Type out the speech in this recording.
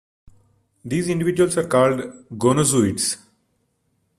These individuals are called gonozooids.